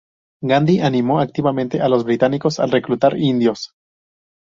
Gandhi animó activamente a los británicos a reclutar indios.